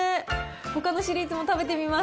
ほかのシリーズも食べてみます。